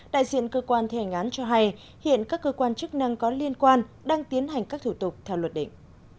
đại diện cơ quan thi hành án cho hay hiện các cơ quan chức năng có liên quan đang tiến hành các thủ tục theo luật định